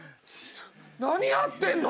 何やってんの？